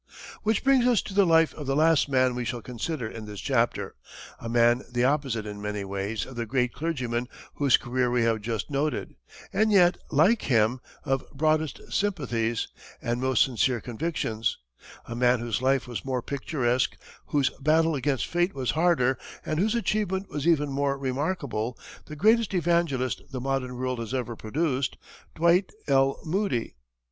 Which brings us to the life of the last man we shall consider in this chapter, a man the opposite in many ways of the great clergyman whose career we have just noted, and yet, like him, of broadest sympathies and most sincere convictions; a man whose life was more picturesque, whose battle against fate was harder, and whose achievement was even more remarkable the greatest evangelist the modern world has ever produced, Dwight L. Moody.